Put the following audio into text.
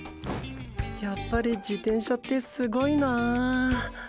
やっぱり自転車ってスゴいなー。